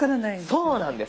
そうなんです。